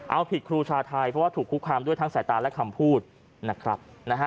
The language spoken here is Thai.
เอาผิดครูชาไทยเพราะว่าถูกคุกคามด้วยทั้งสายตาและคำพูดนะครับ